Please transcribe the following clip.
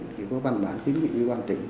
thì có bàn bán kiếm nghị với ban tỉnh